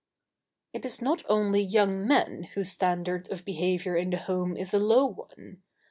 It is not only young men whose standard of behaviour in the home is a low one.